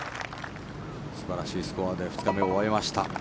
素晴らしいスコアで２日目を終えました。